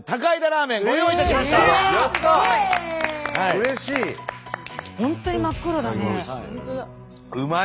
うれしい！